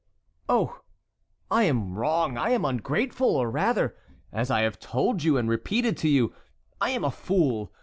"Oh! I am wrong, I am ungrateful, or, rather, as I have told you and repeated to you, I am a fool.